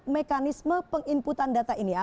mekanisme penginputan data ini